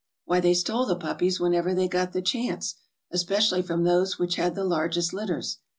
Why, they stole the puppies when ever they got the chance; especially from those which had the largest litters.